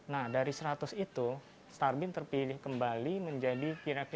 nah dari seratus itu starbeam terpilih kembali menjadi lima